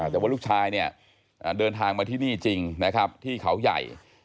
แต่ว่าลูกชายเนี่ยเดินทางมาที่นี่จริงนะครับที่เขาใหญ่